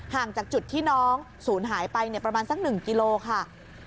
ห่างจากจุดที่น้องศูนย์หายไปประมาณสัก๑กิโลค่ะ